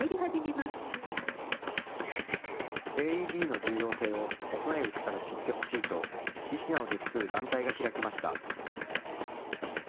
ＡＥＤの重要性を幼いうちから知ってほしいと医師などで作る団体が開きました。